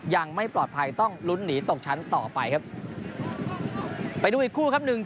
ยังไม่ปลอดภัยต้องลุ้นหนีตกชั้นต่อไปครับ